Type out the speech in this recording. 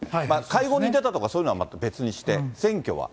会合に出たとか、そういうのはまた別にして、選挙は。